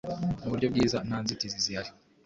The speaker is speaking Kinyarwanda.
Mu buryo bwiza, nta nzitizi zihari,